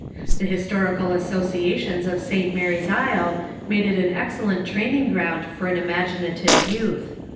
The historical associations of St Mary's Isle made it an excellent training ground for an imaginative youth.